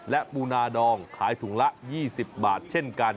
และปูนาดองขายถุงละ๒๐บาทเช่นกัน